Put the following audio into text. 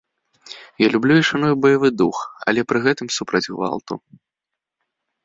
Я люблю і шаную баявы дух, але пры гэтым супраць гвалту.